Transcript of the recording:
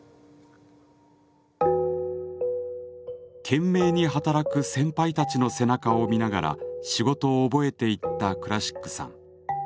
懸命に働く先輩たちの背中を見ながら仕事を覚えていったクラシックさん。